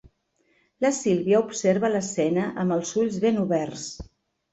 La Sílvia observa l'escena amb els ulls ben oberts.